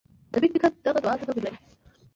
د بېټ نیکه دغه دعا څه توپیر لري.